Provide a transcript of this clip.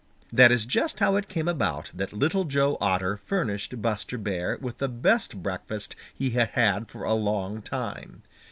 That is just how it came about that Little Joe Otter furnished Buster Bear with the best breakfast he had had for a long time.